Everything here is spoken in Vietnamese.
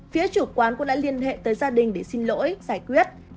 phía chủ quán cũng đã liên hệ tới gia đình để xin lỗi giải quyết